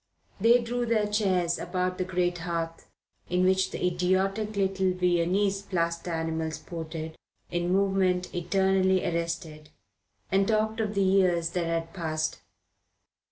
They drew their chairs about the great hearth, in which the idiotic little Viennese plaster animals sported in movement eternally arrested, and talked of the years that had passed.